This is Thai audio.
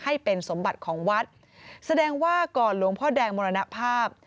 ให้เป็นสมบัติของวัดแสดงว่าก่อนหลวงพ่อแดงมรณภาพ